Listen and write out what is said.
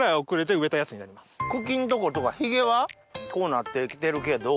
茎んとことかひげはこうなってきてるけど。